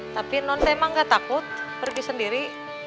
tapi non teh emang gak takut pergi sendiri